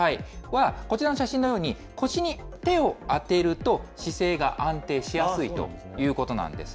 こちらの写真のように、腰に手を当てると姿勢が安定しやすいということなんです。